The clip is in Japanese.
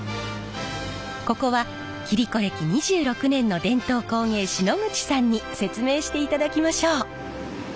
ここは切子歴２６年の伝統工芸士野口さんに説明していただきましょう！